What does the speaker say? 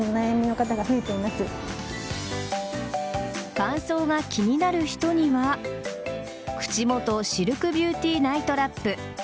乾燥が気になる人には口元シルクビューティーナイトラップ。